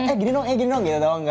eh gini doang eh gini doang gitu doang